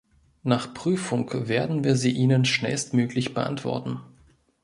Nach Prüfung werden wir sie Ihnen schnellstmöglich beantworten.